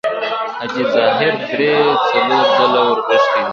حاجي ظاهر درې څلور ځله ورغوښتی دی.